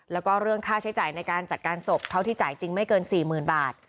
แล้วก็เรื่องค่าใช้จ่ายในการจัดการศพเท่าที่จ่ายจริงไม่เกิน๔๐๐๐บาท